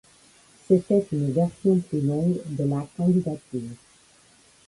C'était une version plus longue de la candidature.